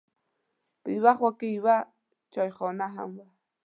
په یوه خوا کې یوه چایخانه هم وه.